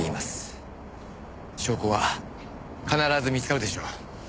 証拠は必ず見つかるでしょう。